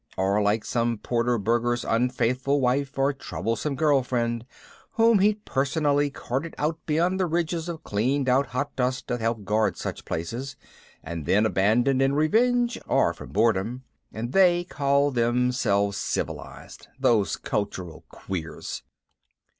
Or like some Porter burgher's unfaithful wife or troublesome girlfriend whom he'd personally carted out beyond the ridges of cleaned out hot dust that help guard such places, and then abandoned in revenge or from boredom and they call themselves civilized, those cultural queers!